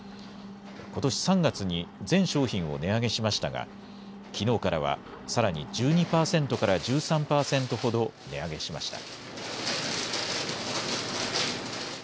ことし３月に全商品を値上げしましたが、きのうからはさらに１２％から１３％ほど値上げしました。